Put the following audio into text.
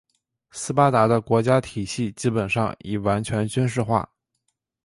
斯巴达的国家体系基本上已完全军事化。